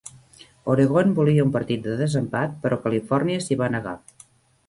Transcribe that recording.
Oregon volia un partit de desempat, però Califòrnia s'hi va negar.